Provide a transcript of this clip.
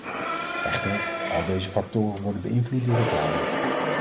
Echter, al deze factoren worden beïnvloed door reclame.